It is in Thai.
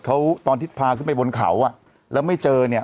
เขาตอนที่พาขึ้นไปบนเขาอ่ะแล้วไม่เจอเนี่ย